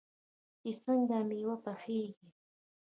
چې څنګه میوه پخیږي.